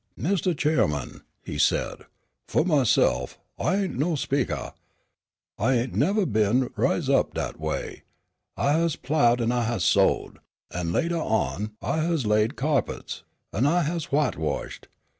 "Mistah Cheerman," he said, "fu' myse'f, I ain't no speakah. I ain't nevah been riz up dat way. I has plowed an' I has sowed, an' latah on I has laid cyahpets, an' I has whitewashed.